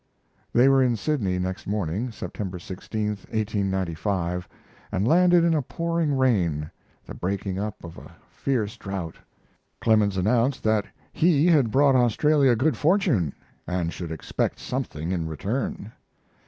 They were in Sydney next morning, September 16, 1895, and landed in a pouring rain, the breaking up of a fierce drought. Clemens announced that he had brought Australia good fortune, and should expect something in return.